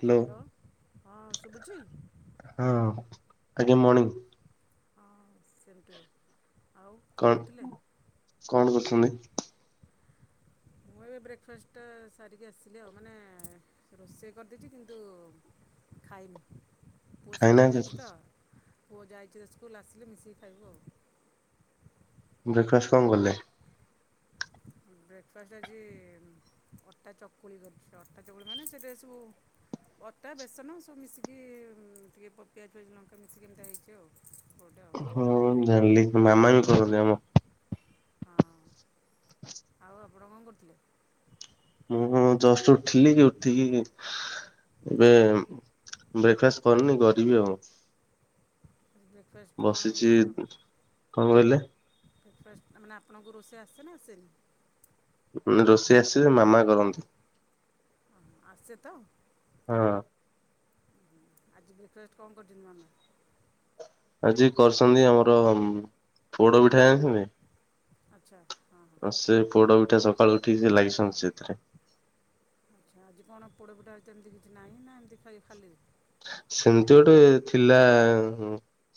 Hello hello, ହଁ ଶୁଭୁଛି। ହଁ, ଆଜ୍ଞା ମଣିଂ। ହଁ, ସେମ ଟୁ ୟୁ ଆଉ, ଆଉ କଣ କରୁଥିଲେ? କଣ କରୁଚନ୍ତି? ମୁଁ ଏବେ ବ୍ରେକଫାଷ୍ଟ୍ ଟା ସାରିକି ଆସିଲି ଆଉ ମାନେ ରୋଷେଇ କରିଦେଇଚି କିନ୍ତୁ ଖାଇନି। ପୁଅ ସ୍କୁଲ୍ ଯାଇଚି ଖାଇନାହାନ୍ତି ତ ପୁଅ ଯାଇଚି ତ ସ୍କୁଲ୍ ଆସିଲେ ମିଶିକି ଖାଇବୁ ଆଉ। ବ୍ରେକଫାଷ୍ଟ୍ କଣ କଲେ? ବ୍ରେକଫାଷ୍ଟ୍ ଆଜି ଅଟା ଚକୁଳି କରିଚି ଅଟା ଚକୁଳି ମାନେ ସେଇଥିରେ ସବୁ ଅଟା, ବେସନ ସବୁ ମିଶିକି ଟିକେ ପ-ପିଆଜ ଫିଆଜ ଲଙ୍କା ମିଶିକି ଏମିତିଆ ହେଇଚି ଆଉ ଗୋଟେ। ଆଉ ହଁ- ମୁଁ ଜାଣିଲି ମାମା ବି କରନ୍ତି ଆମ ହଁ-ଆଉ ଆପଣ କଣ କରୁଥିଲେ? ମୁଁ ଜଷ୍ଟ୍ ଉଠିଲି ଉଠିକି ଏବେ ବ୍ରେକଫାଷ୍ଟ୍ କରିନି କରିବି ଆଉ। ବ୍ରେକ୍ଫାଷ୍ଟ କଣ ବସିଚି-କଣ କହିଲେ? ବ୍ରେକଫାଷ୍ଟ୍ ଆ- ମାନେ ଆପଣଙ୍କୁ ରୋଷେଇ ଆସେ ନା ଆସେନି? ରୋଷେଇ ଆସେ ଯେ ମାମା କରନ୍ତି। ଆସେ ତ? ହଁ। ଆଜି ବ୍ରେକଫାଷ୍ଟ୍ କଣ କରିଚନ୍ତି ମାମା? ଆଜି କରିଚନ୍ତି ଆମର ପୋଡ ପିଠା ଜାଣିଚନ୍ତି? ଆଚ୍ଛା- ହଁ। ହଁ ସେ ପୋଡ ପିଠା ସକାଳୁ ଉଠିକି ସେ ଲାଗିସନ୍ତି ସେଇଥିରେ। ଆଜି କଣ ପୋଡ ପିଠା -ଆଜି ତ ସେମିତି କିଛି ନାହିଁ ନା ଏମିତି ଖାଇ- ଖାଲିରେ? ସେମିତି ଗୋଟେ ଥିଲା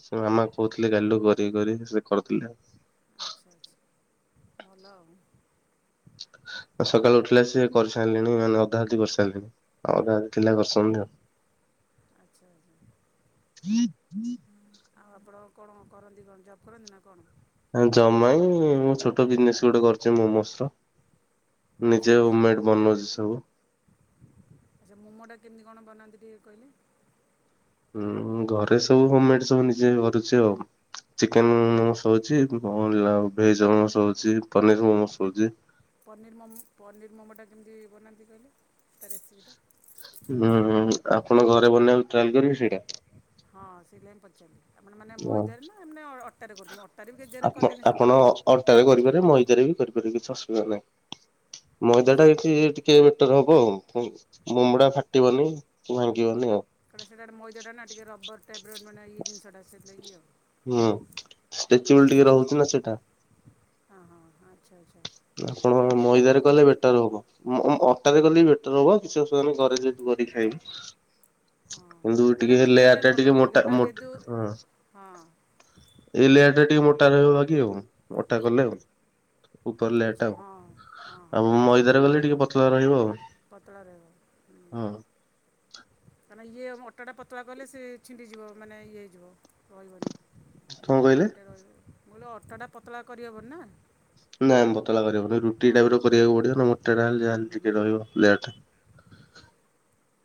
ସେ ମାମା କହୁଥିଲେ କାଲିଠୁ କରିବି କରିବି ସେ କରୁଥିଲେ। ଆଚ୍ଛା- ଆଚ୍ଛା ଭଲ ଆଉ। ଆଉ ସକାଳୁ ଉଠିଲେ ସିଏ କରିସାରିଲେଣି ମାନେ ଅଧା ଅଧି କରିସାରିଲେଣି ଆଉ ଅଧା ଥିଲା ଆଚ୍ଛା ଆଚ୍ଛା [unintelligible] ସନ୍ଧ୍ୟା ଆଉ ଆପଣ କଣ କରନ୍ତି- ଜବ୍ କରନ୍ତି ନା କଣ? ଜବ୍ ନାଇ ମୁଁ ଛୋଟ ବିଜିନେସ୍ ଗୋଟେ କରୁଚି ମୋମୋସ୍ ର ଆଚ୍ଛା ନିଜେ ଆଚ୍ଛା ହୋମେଡ୍ ବନଉଚି ସବୁ। ଆଚ୍ଛା ମୋମୋ ଟା କେମିତି କଣ ବାନାନ୍ତି ଟିକେ କହିଲେ? ହଁ ଘରେ ସବୁ ହୋମମେଡ୍ ସବୁ ନିଜେ କରୁଚି ଆଉ ଚିକେନ୍ ମୋମୋସ୍ ହଉଚି। କଣ [unintelligible] ମୋମୋସ୍ ହଉଚି ପନିର୍ ମୋମୋସ୍ ହଉଚି। ପନିର ମୋମୋ ପନିର୍ ମୋମୋ ଟା କେମିତି ବନାନ୍ତି କହିଲେ ତା ରେସିପି ଟା? ହୁଁ -ହୁଁ ଆପଣ ଘରେ ବନେଇବାକୁ ଟ୍ରାଏ କରିବେ ସେଇଟା। ହଁ ସେଇଥିପାଇଁ ପଚାରିଲି ଆପଣ ମାନେ ମଇଦାରେ ନା ଅଟାରେ କରୁଚନ୍ତି ଅଟାରେ ବି କେତେଜଣ ଆପଣ କଲେଣି ଆପଣ ସବୁ। ଅଟାରେ କରିପାରିବେ ମଇଦାରେ ବି କରିପାରିବ କିଛି ଅସୁବିଧା ନାହିଁ ମଇଦା ଟା ଆଚ୍ଛା ଏଠି ଟି ଟିକେ ବେଟର୍ ହବ ଆଉ ମୁ-ମୋମୋ ଟା ଫାଟିବନି ଭାଙ୍ଗିବନି ଆଉ। କାରଣ ସେଟା -ସେଟା ମଇଦା ନା ଟିକେ ରବର୍ ଟାଇପ୍ ର [unintelligible] ଇଏ ଜିନିଷଟା। ସେଥିଲାଗି ଆଉ ହୁଁ ଷ୍ଟ୍ରେଚେବୁଲ ଆଚ୍ଛା ଟିକେ କେମିତି ରହୁଛି ନା ସେଇଟା ହଁ- ହଁ- ଆଚ୍ଛା -ଆଚ୍ଛା। ଆପଣ ସେଇଟା କେମିତି କ'ଣ ମଇଦାରେ କଲେ କରୁଛନ୍ତି ବେଟର୍ ହବ ମ- ଅଟାରେ କଲେ ବି ବେଟର୍ ହବ। କିଛି ଅସୁବିଧା ନାହିଁ ଘରେ ଯେମିତି କରି ଖାଇବ। ହଁ କିନ୍ତୁ ଅଟାଟା ଟିକେ ମାନେ ଦେହ ପାଇଁ ଲେୟରା ଭଲ ଟିକେ ମୋଟା- ମଇଦାଟା ଯେହେତୁ ମୋଟା ହଁ। ହଁ ଏଇ ଲେୟାର୍ ଟା ଟିକେ ମୋଟା ରହିବ [unintelligible] ଆଉ ଅଟା କଲେ ଆଉ। କଲେ ଆଚ୍ଛା ଏଟା ହଁ ହଁ ଆଉ- ହଁ ଆଉ ମଇଦାରେ କଲେ ଟିକେ ପତଲା ରହିବ ଆଉ। ପତଳା ରହିବ ହଁ। ତା ମାନେ ଇଏ ଅଟାଟା ପତଳା କଲେ ସେ ଛିଣ୍ଡିଯିବ ମାନେ ଇଏ ହେଇଯିବ ରହିବନି। କଣ କହିଲେ? ମୁଁ ଏଇଟା କହିଲି ଅଟାଟା ପତଳା କରି ହେବନି ନା। ନାଇଁ ପତଲା କରିହବନି ରୁଟି ହଁ ଟାଇପ୍ର କରିବାକୁ ପଡିବ ନ ହେଲେ ଅଟାଟା ହୁଁ ନିହାତି ହୁଁ ଟିକେ ରହିବ [unintelligible]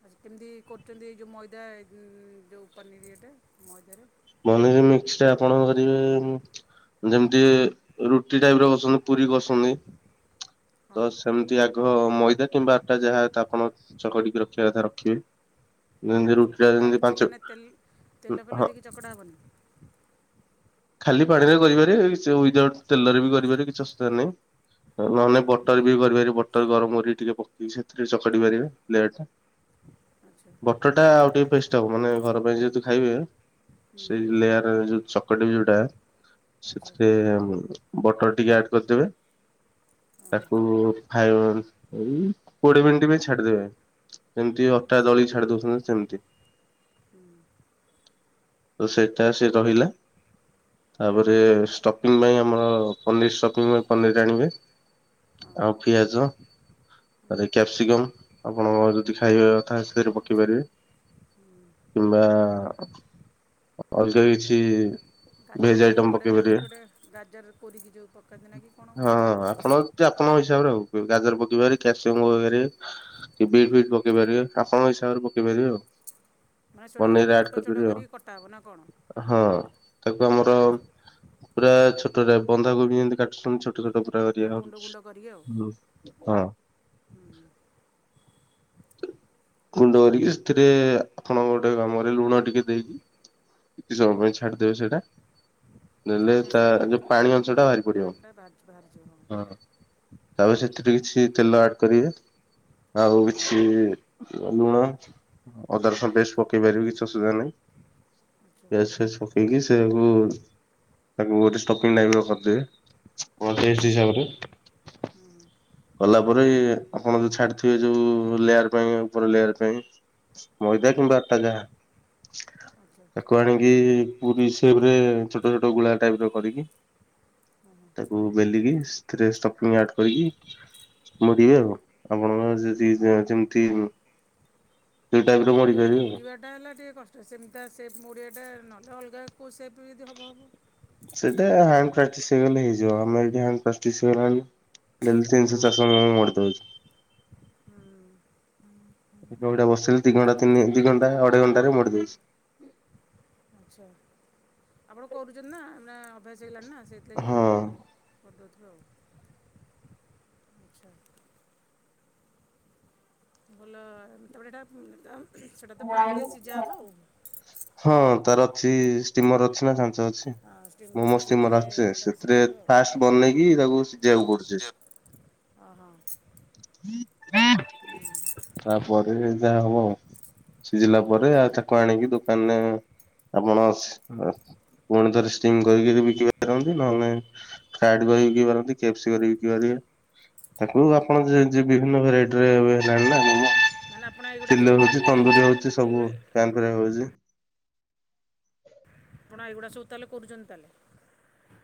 ଆକୁ କେମିତି କରୁଚନ୍ତି ଏ ଯେଉଁ ମଇଦା ଯେଉଁ ପନିର୍ ଇଏଟା, ମଇଦାରେ? ପନିର୍ ମିକ୍ସଟା ଆପଣ କରିବେ ଯେମିତି ରୁଟି ଟାଇପ୍ର କରୁଚନ୍ତି ପୁରୀ କରଛନ୍ତି। ତ ହଁ ସେମିତି ସେ ଆଗ ମଇଦା କିମ୍ବା ଆଟା ଯାହା ତାକୁ ଚକଟିକି ରଖିବା କଥା ରଖିବେ। ଯେମିତି ଆଚ୍ଛା। ରୁଟିଟା ସେଇଟା ଆଉ ଯେମିତି କିଛି ପାଞ୍ଚ ମାନେ ତେଲ୍ ତେଲ ହଁ ଫେଲ ଦେଇକି ଚକଡ଼ା ହବନି। ଖାଲି ପାଣିରେ କରିପାରିବେ ଏଇ ଉଇଦାଉଟ୍ ତେଲରେ ବି କରିବାରେ କିଛି ଅସୁବିଧା ନାହିଁ। ନ ହେଲେ ଆଚ୍ଛା ନାଇଁ ବଟର୍ ବି କରିପାରିବେ। ବଟର ଗରମ କରିକି ଟିକେ ପକେଇକି ସେଥିରେ ଚକଟି ପାରିବେ ଡାଇରେକ୍ଟ୍। ଆଚ୍ଛା ବଟରଟା ଆଉ ଟିକେ ପେଷ୍ଟ ହବ ମାନେ ଘର ପାଇଁ ଯେହେତୁ ଖାଇବେ। ହୁଁ ସେଇ ଲେୟାର ଯୋଉ ଚ [unintelligible] ଯୋଉଟା ଆଚ୍ଛା ସେଥିରେ ବଟର୍ ଟିକେ ଆଡ କରିଦେବେ। ହଁ ତାକୁ ହଁ [unintelligible] କୋଡିଏ ମିନିଟ୍ ପାଇଁ ଛାଡିଦବେ। ଯେମିତି ଅଟା ଆଚ୍ଛା ଦଳି ଛାଡି ଦଉଛନ୍ତି ସେମିତି। ହୁଁ। ତ ସେଟା ସେ ତ ରହିଲା। ତା ପରେ ହୁଁ ଷ୍ଟପିଙ୍ଗ୍ ପାଇଁ ଆମର ପନିର୍ ଷ୍ଟପିଙ୍ଗ୍ ପାଇଁ ପନିଅରି ଆାଣିବ। ହଁ ଆଉ ଫଆଜ। ତା ହୁଁ ପରେ କ୍ୟାପ୍ସିକମ୍ ଆପଣଙ୍କ ଯଦି ଖାଇବ କଥା ସେଥିରେ ପ- ଖାଇ ଆଚ୍ଛା ପାରିବେ ହୁଁ କିମ୍ବା ଅଲଗା କିଛି ଭେଜ ଗାଜର ବି ଆଇଟମ ପକେଇ ପଡ଼େନା ପାରିବେ। ଗୋଟେ ଗୋଟେ ଗାଜର କୋରି କି ଯୋଉ ପକାନ୍ତି ନା କି କଣ? ହଁ। ଆପଣ ଆପଣଙ୍କ ହିସାବରେ ହଉ ଗାଜର ପକେଇ ପାରିବେ କ୍ୟାପ୍ସିକମ୍ ପକେଇ ପାରିବେ। କି ବିଟ୍ ବି ପକେଇ ପାରିବେ। ଆପଣଙ୍କ ହିସାବରେ ପକେଇ ପାରିବେ ଆଉ। ମାନେ ସେଟାକୁ ପନିର ସବୁ ଆଡ ଛୋଟ ଛୋଟ କରିପାରିବେ ଆଉ କରିକି କଟା ହେବ ନା କଣ? ହଁ ତାକୁ ଆମର ଆଚ୍ଛା ପୁରା ଛୋଟଟା। ବନ୍ଧାକୋବି ଯେମିତି କାଟୁଛନ୍ତି ଛୋଟ ଛୋଟ ଛୋଟ ପୁରା ଗୁଣ୍ଡ ଗୁଣ୍ଡ କରିକି ଆଉ [unintelligible] ହୁଁ [unintelligible] ସେଥିରେ [unintelligible] ଲୁଣ ଟିକେ ଦେଇକି କିଛି ସମୟ ପାଇଁ ହଁ ଛାଡିଦବ ସେଇଟା। ହେଲେ ପାଣି ଅଂଶଟା ତାର ଯୋଉ ବାହାରିଯିବ ଆଉ ପାଣି ଅଂଶଟା ବାହାରି ପଡିବ। ପାଣିଟା ବାହାରି ବାହାରିଯିବ ହଁ ତା ପରେ ସେଥିରେ କିଛି ତେଲ ଆଡ୍ କରିବେ, ଆଉ ହଁ କିଛି ଲୁଣ ହଁ ଅଦା ହୁଁ ରସୁଣ ପେଷ୍ଟ୍ ପକେଇ ପାରିବେ କିଛି ଅସୁବିଧା ନାହିଁ। ଆଚ୍ଛା ପିଆଜ ଫିଆଜ ପକେଇ କି ସବୁ ତାକୁ ଗୋଟ ଷ୍ଟପିଙ୍ଗ୍ ଟାଇପ୍ର କରି ଦେବେ। ହୁଁ। କଲା ପରେ ଆପଣ ଯୋଉ ଛାଡିଥିବେ ଯୋଉ ଲେୟାର ପାଇଁ ଉପର ଲେୟାର ପାଇଁ ହଁ ମଇଦା କିମ୍ବା ହଁ ଅଟା ଯାହା ଆଚ୍ଛା ତାକୁ ଆଣିକି ପୁରି ସେପ୍ରେ ଛୋଟ ଛୋଟ ଗୁଳା ଟାଇପ୍ର କରିକି ହଁ ହଁ ତାକୁ ବେଲିକି ସେଥିରେ ଷ୍ଟଫିଙ୍ଗ ଆଡ଼୍ କରିକି ମୋଡ଼ିବେ ଆଉ। ଆପଣଙ୍କ [unintelligible] ସେଇ ଟାଇପ୍ର ମୋଡ଼ିବାଟା ହେଲା ଟିକେ କଷ୍ଟ ସେମିତି ସେପ୍ ମୋଡ଼ିବାଟା ନହେଲେ ଅଲଗା କେଉଁ ସେପ୍ ରେ ଯଦି ହବ ହବ। ସେଇଟା ହ୍ୟାଣ୍ଡ ପ୍ରାକ୍ଟିସ୍ ହେଇଗଲେ ହେଇଯିବ ଆମର ଏଠି ହ୍ୟାଣ୍ଡ ପ୍ରାକ୍ଟିସ୍ ହେଇଗଲାଣି। ଡେଲି ତିନି ଶହ ହଁ ଚାରିଶହ ମୁଁ ମୋଡ଼ି ଦଉଛି। ହୁଁ। ଏଉଟା ବସିଲି ଦି ଘଣ୍ଟା ତିନି ଦି ଘଣ୍ଟା ଅଢେଇ ଘଣ୍ଟାରେ ମୋଡିଦେଇଛି। ଆଚ୍ଛା ଆପଣ କରୁଛନ୍ତି ନାଁ ଆ ଅଭ୍ୟାସ ହେଇଗଲାଣି ନା ସେଇଥିଲାଗି ହଁ କରିଦେଉଥିବ ଆଉ। ଆଚ୍ଛା ଭଲ ତାପରେ ଏଇଟା ସେଇଟା ତ ପାଣିରେ ସିଝାହବ ଆଉ। ହଁ ତାର ଅଛି ଷ୍ଟିମର୍ ଅଛି ନା ଛାଞ୍ଚ୍ ଅଛି। ହଁ ଷ୍ଟିମର୍ଟା ମୋମୋ ସେଇଥିରେ ଷ୍ଟିମର ଆସୁଛି ତାର ସେଥିରେ ସିଝେଇବ ଆଉ ଫାଷ୍ଟ ବନେଇକି ତାକୁ ସିଝେଇବାକୁ ପଡୁଛି। ଓହୋ ହୁଁ। ପରେ ଯାହା ହବ ଆଉ। ସିଝିଲା ପରେ ଆଉ ଆଚ୍ଛା ତାକୁ ଆଣିକି ଦୋକାନରେ ଆପଣ ଶ୍ ପୁଣି ଥରେ ଷ୍ଟିମ୍ କରିକି ବି ବିକି ପାରନ୍ତି ନହଲେ ଫ୍ରାଏଡ୍ କରି ବିକି ପାରନ୍ତି କେପ୍ସି କରି ବିକି ପାରିବେ। ତାକୁ ଆପଣ ଯେ ଯେ ବିଭିନ୍ନ ଭେରାଇଟି ରେ ଏବେ ହେଲାଣି ନା ମୋମ। ମାନେ ଆପଣ ଏ ଚିଲ ହଉଛି ତନ୍ଦୁରି ହଉଛି ସବୁ [unintelligible] କରା ହଉଛି। ଆପଣ ଏଗୁଡ଼ା ସବୁ ତାହେଲେ କରୁଛନ୍ତି ତାହେଲେ?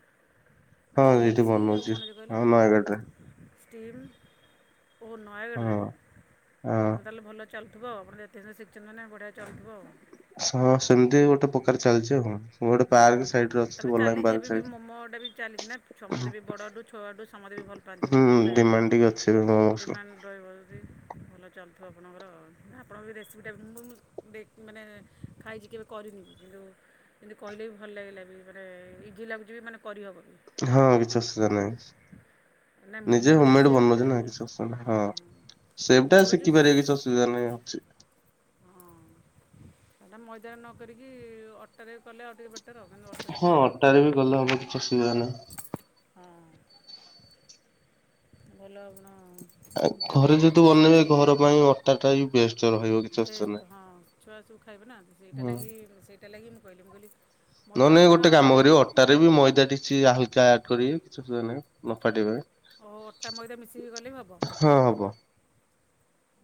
ମାନେ ହଁ କେ ଏଫ୍ ଏଇଠି ସି ଆଉ ବନଉଛି କଣ ଯୋଉ ହଁ ନୟାଗଡରେ କହିଲେ? ଷ୍ଟିମ୍ ଓ ନୟାଗଡ଼ ରେ ହଁ। ହଁ ଆପଣ ତାହେଲେ ଭଲ ଚାଲୁଥିବ ଆପଣ ଏତେ ଗୁରେ ଶିଖିଛନ୍ତି ମାନେ ବଢ଼ିଆ ଚାଲୁଥିବ ଆଉ। ହଁ ସେମିତି ଗୋଟେ ପ୍ରକାର ଚାଲିଛି ଆଉ। ଗୋଟେ ପାର୍କ ସାଇଡରେ ଅଛି ତାପରେ ବଲାଙ୍ଗୀ ଚାଲିଛି ପାର୍କ ଏବେ ବି ସାଇଡ। ମୋମୋ ଟା ବି ଚାଲିଛି ନା ସମସ୍ତେ ବି ବଡ଼ଠୁ ଛୁଅଠୁ ସମସ୍ତେ ବି ଭଲ ପାଆନ୍ତି ହୁଁ ମୋମୋ ଖାଇବା ଡିମାଣ୍ଡ ଟିକେ ଅଛି ଏବେ ପାଇଁ ମୋମୋସର ଡିମାଣ୍ଡ ରହିବ ଯଦି ଭଲ ଚାଲୁଥିବ ଆପଣଙ୍କର ଆଉ ଆପଣଙ୍କର ବି ରେସିପିଟା ବି ମୁଁ ମୁଁ ଦେକ୍ ମାନେ ଖାଇଛି କେବେ କରିନି କିନ୍ତୁ ଏମିତି କହିଲେ ବି ଭଲ ଲାଗିଲା ବି ମାନେ ଇଜ୍ ଲାଗୁଛି ବି ମାନେ କରିହେବ। ହଁ କିଛି ଅସୁବିଧା ନାହିଁ। ନା ନିଜେ ମୋମୋର ହୋମ ଯେଉଁ ମେଡ୍ ସେପ୍ଟା ବନଉଛି ନା କିଛି ଅସୁବିଧା ହଁ ନାହିଁ ହଁ ସେପ୍ ଟା ମୋମୋର ଶିଖିପାରିବେ ଯେଉଁ କିଛି ଅସୁ ବିଧା ନାଇଁ ଅଛି। ହଁ ଏଇଟା ମଇଦାରେ ନ କରିକି ଅଟାରେ କଲେ ଆଉ ଟିକେ ବେଟ୍ ଟର ମାନେ ଅଟା ଟା ହଁ ଟିକେ ଅଟାରେ ବି ଖାଇବା କଲେ ହବ କିଛି ପାଇଁ ଅସୁବିଧା ନାହିଁ। ହଁ। ଭଲ ଆପଣ ଯାହା ହଉ ଘରେ ସେଟା ଯେହେତୁ ବନେଇବେ ଶିଖି ଘର ଯାଇଥିଲି। ପାଇଁ ଅଟା ଟା ବି ବେଷ୍ଟ ରହିବ କିଛି ଅସୁବିଧା ନାହିଁ। ବେଷ୍ଟ ହଁ ଛୁଆ ସବୁ ଖାଇବେ ନା ସେଇଟା ହୁଁ ଲାଗି ମୁଁ ସେଇଟା ଲାଗି ମୁଁ କହିଲି। ମଇଦା ନହେଲେ ନାଇଁ ଅପେକ୍ଷା ଗୋଟେ କାମ ଅଟାଟା କରିବେ ଅଟାରେ ବି ମଇଦା କିଛି ହାଲକା ଆଡ କରିବେ କିଛି ଅସୁବିଧା ନାହିଁ ନ ଫାଟିବା ପାଇଁ। ଓ ଅଟା ମଇଦା ମିସେଇକି କଲେ ବି ହବ? ହଁ ହବ।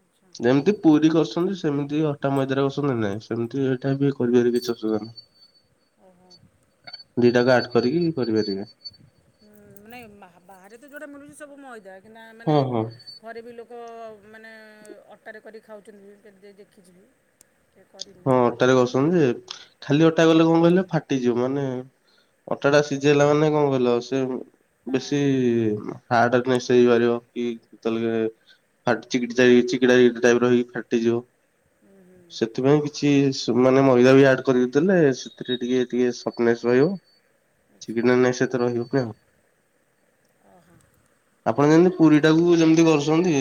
ଆଚ୍ଛା ଯେମିତି ପୁରୀ କରୁଛନ୍ତି ସେମିତି ଅଟା ମଇଦାରେ ଅସୁବିଧା ନାହିଁ ସେମିତି ଏଇଟା ବି କରିବାରେ କିଛି ଅସୁବିଧା ନାହିଁ। ଓହୋ। ଦିଟାକ ଆଡ୍ କରିକି କରିପାରିବେ। ହୁଁ ମାନେ ବା ବା ବାହାରେ ତ ଯୋଉଟା ମିଳୁଛି ସବୁ ମଇଦା କିନ୍ତୁ ଆ ମାନେ ହଁ ହଁ ଘରେ ବି ଲୋକ ମାନେ ଅଟାରେ କରିକି ଖାଉଛନ୍ତି [unintelligible] ଦେଖିଛି ବି। ଟିକେ କରିନି ହଁ ଅଟାରେ ଆପଣ କରଛନ୍ତି ଯେ ଖାଲି ଅଟା କଲେ କଣ କହିଲ ଫାଟିଯିବ ମାନେ ଅଟା ଟା ସିଝେଇଲା ମାନେ କଣ କହିଲ ସେ ହଁ ବେଶୀ ହାର୍ଡ [unintelligible] [unintelligible] ଟାଇପ ର ହେଇକିରି ଫାଟିଯିବ। ହୁଁ ହୁଁ ସେଥିପାଇଁ କି ସେ ମାନେ ମଇଦା ବି ଆଡ କରିଦେଇ ଥିଲେ ସେଥିରେ ଟିକେ ଟିକେ ସଫଟନେସ୍ ରହିବ। ଆଚ୍ଛା ଚିକିଣା ନେସ ଏତେ ରହିବନି ଆଉ। ଓହୋ ଆପଣ ଯେମିତି ପୁରୀ ଟାକୁ ଯେମିତି କରୁଛନ୍ତି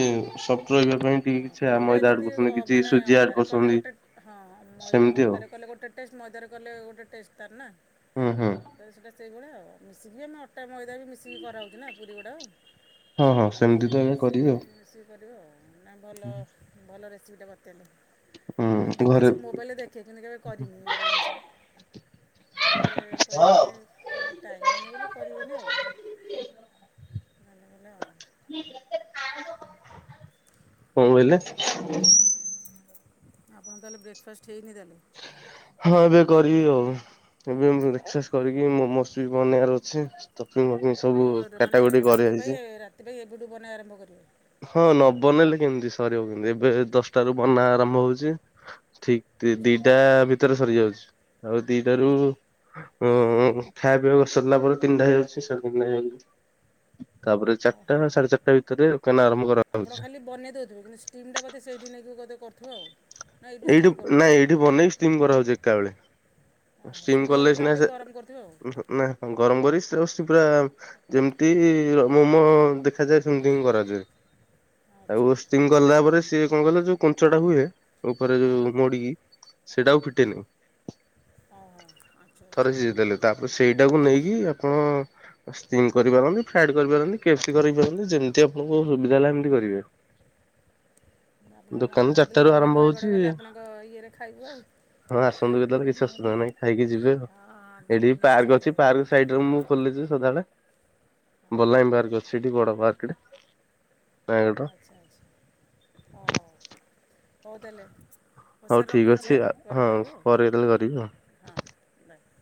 ସପ ରହିବା ପାଇଁ ଟିକେ ହଁ କିଛି ପୁରୀଟା ମଇଦା ଆଡ ଯେମିତି ଅ, କରୁଛନ୍ତି, କିଛି ମାନେ ସୁଜି ଆଡ ଅଟାରେ କଲେ କରୁଛନ୍ତି। ଗୋଟେ ହଁ ହଁ ମଇ ସେମିତି ଆଉ ଅଟାରେ କଲେ ଗୋଟେ ଟେଷ୍ଟ, ମଇଦାରେ କଲେ ଗୋଟେ ଟେଷ୍ଟ ତାର ନା? ହୁଁ ହୁଁ ତ ସେଇଟା ସେଇଭଳିଆ ଆଉ। ମିଶିକି ଆମେ ଅଟା ମଇଦା ବି ମିଶିକି କରାହେଉଛି ନା ପୁରି ଗୁଡ଼ାକ। ହଁ ହଁ ତା ସେମିତି ତ ସାଙ୍ଗେରେ ଆଜ୍ଞା ମିଶେଇ କରିବି ଆଉ। ମିଶିକି କରିବ ଆଉ। ନା ଭଲ, ଭଲ ରେସିପିଟା ବତେଇଲେ। ମୁଁ ଖାଲି ହୁଁ ଦେଖେ ଘରେ ସେ ମୋବାଇଲରେ ଦେଖେ କିନ୍ତୁ କେବେ କରିନି ଏଭଳିଆ ଜିନିଷ। ଏ କଣ କରିବା ଟିକେ ଟାଇମ ହୁଏନି ବୋଲି କରିନି ଆଉ। [inaudible] କଣ କହିଲେ? ଆପଣ ତାହେଲେ ବ୍ରେକ ଫାଷ୍ଟ ହେଇନି ତାହେଲେ? ହଁ ଏବେ କରିବି ଆଉ। ଏବେ ମୁଁ ବ୍ରେକ୍ଫାଷ୍ଟ କରିକି ମୋମୋସ୍ ବି ବନେଇବାର ଅଛି। [inaudible] ଓ ମାନେ କାଟାକୁଟି ରାତି କରାହେଇଛି। ପାଇଁ, ରାତି ପାଇଁ ଏବେଠୁ ବନେଇବା ଆରମ୍ଭ କରିବେ? ହଁ ନ ବନେଇଲେ କେମିତି ସରିବ କେମତି? ଏବେ ଦଶଟାରୁ ବନା ଆରମ୍ଭ ହଉଛି। ଠିକ ଦି ଆଚ୍ଛା ଦି ଟା ଭିତେରେ ସରିଯାଉଛି। ଆଉ ଦି ଟା ରୁ ଉଁ ଉଁ ଖାଇବା ପିଇବାକୁ ସାରିଲା ପରେ ତିନିଟା ହେଇଯାଉଛି। [inaudible] ତାପରେ ଅ ଚାରିଟା, ହଉ ସାଢେ ଚାରିଟା ଭିତରେ ଦୋକାନ ଆରମ୍ଭ କରା ହଉଛି। ଏ ବନେଇ ଦ କିନ୍ତୁ ଷ୍ଟିମ ଟା ବୋଧେ ସେଇଠି ନେଇକି କରୁଥିବ ଆଉ। ନା ଏଇଠୁ ଏଇଠି ଷ୍ଟିମ୍ କରିଦେଉଛନ୍ତି ନାଇଁ ଏଇଠି ବନେଇକି ଷ୍ଟିମ୍ କରାହଉଛି ଏକା ବେଳେ। ଓହୋ ଷ୍ଟିମ ସେଇଠି କଲେ ଗଲାପରେ ଆଉ ସିନା ଟିକେ ସେ, ଗରମ କରୁଥିବେ ଆଉ ନା ଗରମ କରି ସେ ପୁରା ଯେମିତି ମୋମ ଦେଖାଯାଏ ସେମିତି ହିଁ କରାଯାଏ। ଆଚ୍ଛା ତାକୁ ଷ୍ଟିମ କଲା ପରେ ସିଏ କଣ କହିଲ ଯୋଉ କୁଞ୍ଚ ଟା ହୁଏ ଉପରେ ହଁ ଯୋଉ ହଁ ମୋଡିିକି ସେଇଟା ଆଉ ଫିଟେନି। ଓ ହୋ। ଆଚ୍ଛା ଥରେ ଆଚ୍ଛା। ସିଝେଇ ଦେଲେ ତାପରେ ସେଇଟାକୁ ନେଇକି ଆପଣ ଷ୍ଟିମ କରିପାରନ୍ତି, ଫ୍ରାଏଡ କରିପାରନ୍ତି, କେପ୍ ସ୍ଲି କରିପାରନ୍ତି, ଯେମିତି ଆପଣଙ୍କୁ ସୁବିଧା ହେଲା ଏମିତି କରିବେ। ଆପଣ ଆମେ ଦୋକାନ ଚାରିଟା କେତେବେଳେ ରୁ ଗଲେ ଆରମ୍ଭ ହଉଛି ନୟାଗଡ଼ ଗଲେ ଆପଣଙ୍କ ଇଏରେ ଖାଇବୁ ଆଉ। ହଁ ଆସନ୍ତୁ କେତେବେଳେ ହଁ କିଛି ହଁ ଅସୁବିଧା ନାହିଁ ଖାଇକି ଯିବେ ଆଉ। ଏଠି ଯିବୁ ନିଶ୍ଚୟ ପାର୍କ ଅଛି ଖାଇବୁ ପାର୍କ ସାଇଡ ମୁଁ ଖୋଲିଛି ସଦାବେଳେ ବଲାମୀ ହଁ ପାର୍କ ଅଛି ଏଠି ବଡ ପାର୍କ ଟେ। ଆଁ [inaudible] ଆଚ୍ଛା ଆଚ୍ଛା। ହଁ ହଉ। ହଉ ତା ହେଲେ ହଉ ସାର୍ ଠିକ୍ ରଖୁଛି ଅଛି ଆ। ଆଉ ପରେ ହଁ କରିବି ଆଉ। ପରେ କେତେବେଳେ ହଁ କରିବି ଆଉ। ହଁ ବାଏ।